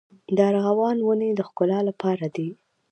د ارغوان ونې د ښکلا لپاره دي؟